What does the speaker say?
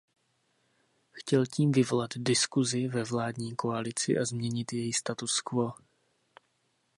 Chtěl tím vyvolat diskusi ve vládní koalici a změnit její status quo.